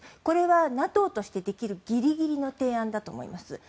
これはＮＡＴＯとしてできるギリギリの提案だと思います。